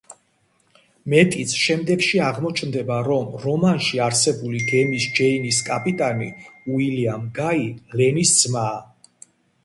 მეტიც, შემდეგში აღმოჩნდება, რომ რომანში არსებული გემის „ჯეინის“ კაპიტანი უილიამ გაი ლენის ძმაა.